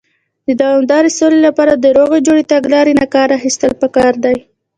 د دوامدارې سولې لپاره، د روغې جوړې تګلارې نۀ کار اخيستل پکار دی.